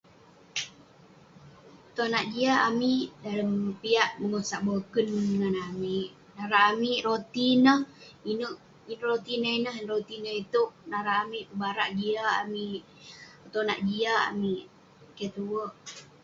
Tonak jiak amik dalem piak pegosak boken ngan amik kalau amik rotei neh inuek ireh neh ineh inuek rotei nah ituek narak amik pebarak jiak amik petonak jiak amik keh tuek